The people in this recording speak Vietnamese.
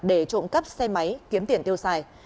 để trộm cắp xe máy kiếm tiền tiêu xài